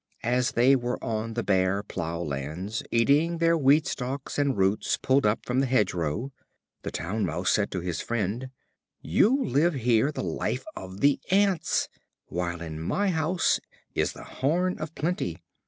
As they were on the bare plough lands, eating their wheat stalks and roots pulled up from the hedge row, the Town Mouse said to his friend: "You live here the life of the ants, while in my house is the horn of plenty.